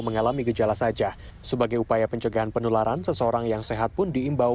mengalami gejala saja sebagai upaya pencegahan penularan seseorang yang sehat pun diimbau